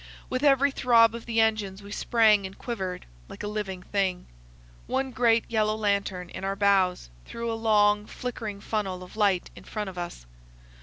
With every throb of the engines we sprang and quivered like a living thing. One great yellow lantern in our bows threw a long, flickering funnel of light in front of us.